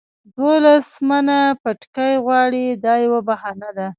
دولس منه بتکۍ غواړي دا یوه بهانه ده.